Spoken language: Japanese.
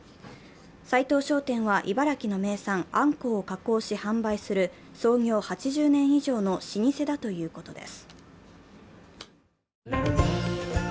斉藤商店は茨城の名産あんこうを加工し販売する創業８０年以上の老舗だということです。